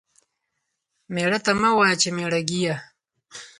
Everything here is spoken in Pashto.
ميړه ته مه وايه چې ميړه گيه.